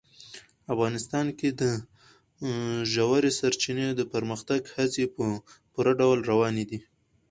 افغانستان کې د ژورې سرچینې د پرمختګ هڅې په پوره ډول روانې دي.